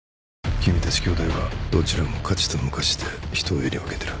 君たち兄弟はどちらも価値と無価値で人をえり分けてる。